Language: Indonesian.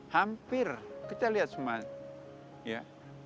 hampir kita lihat semuanya